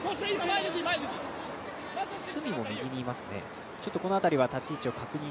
角も右にいますね。